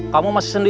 bertenang dicht tadi